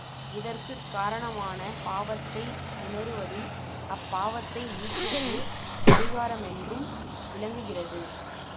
இதற்குக் காரணமான பாவத்தை உணருவதில், அப்பாவத்தை நீக்குவதே பரிகாரமென்றும் விளங்குகிறது.